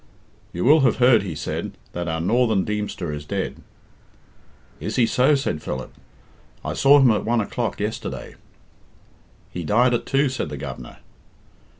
"You will have heard," he said, "that our northern Deemster is dead." "Is he so?" said Philip. "I saw him at one o'clock yesterday." "He died at two?" said the Governor.